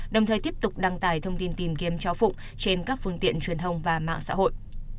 đồng thời tiếp tục đăng tải thông tin tìm kiếm cháu phụng trên các phương tiện truyền thông và mạng xã hội